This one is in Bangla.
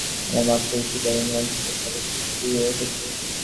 আমরা মাত্রই সুদূর ইংল্যান্ড থেকে পাড়ি দিয়ে এসেছি।